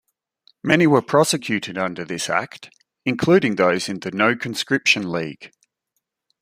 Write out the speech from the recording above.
Many were prosecuted under this act, including those in the No Conscription League.